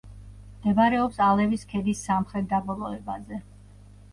მდებარეობს ალევის ქედის სამხრეთ დაბოლოებაზე.